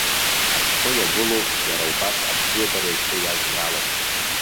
Ашәҟәы иагәылоуп иара убас абзиабара иазку иажәеинраалақәа.